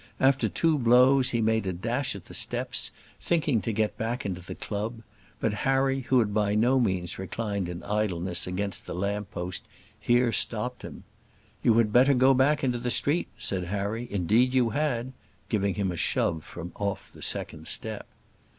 After two blows he made a dash at the steps, thinking to get back into the club; but Harry, who had by no means reclined in idleness against the lamp post, here stopped him: "You had better go back into the street," said Harry; "indeed you had," giving him a shove from off the second step.